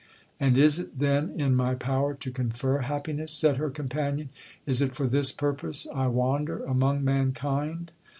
'—'And is it, then, in my power to confer happiness?' said her companion; 'is it for this purpose I wander among mankind?'